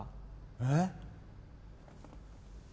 えっ？